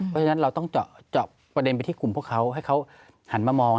เพราะฉะนั้นเราต้องเจาะประเด็นไปที่กลุ่มพวกเขาให้เขาหันมามอง